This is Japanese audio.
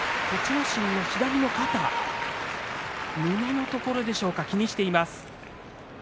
心の左の肩、胸のところでしょうか気にしています。